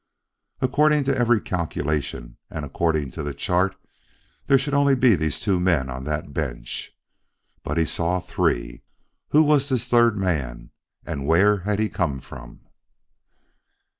According to every calculation and according to the chart, there should be only these two men on that bench. But he saw three. Who was this third man, and where had he come from?